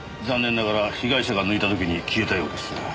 残念ながら被害者が抜いた時に消えたようですな。